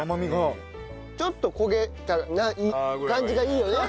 ちょっと焦げた感じがいいよね。